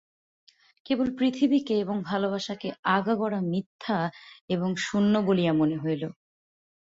কেবল পৃথিবীকে এবং ভালোবাসাকে আগাগোড়া মিথ্যা এবং শূন্য বলিয়া মনে হইল।